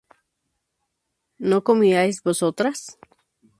¿no comíais vosotras?